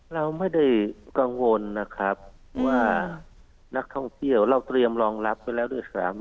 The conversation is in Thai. เราไม่ได้กังวลนะครับว่านักท่องเที่ยวเราเตรียมรองรับไว้แล้วด้วยซ้ำ